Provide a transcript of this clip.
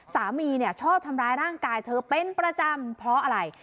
สามีเนี่ยชอบทำร้ายร่างกายเธอเป็นประจำเพราะอะไร